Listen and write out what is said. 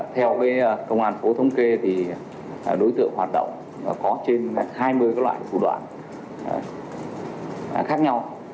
theo công an tp hcm thống kê đối tượng hoạt động có trên hai mươi loại thủ đoạn khác nhau